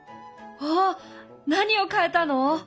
あ何を変えたの？